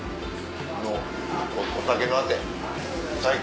お酒のあて最高。